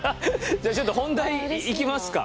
じゃあちょっと本題にいきますか田口さんね。